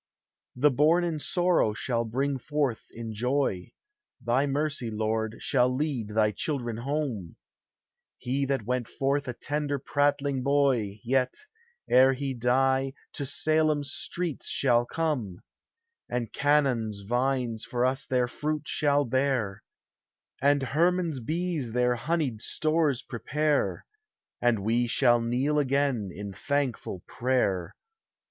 The' born in sorrow shall bring forth in joy ; Thy mercy, Lord, shall lead thy children home; He that went forth a tender prattling boy Yet, ere he die, to Salem's streets shall come; And Canaan's vines for us their fruit shall bear, And Hermon's bees their honeyed stores prepare, And we shall kneel again in thankful prayer.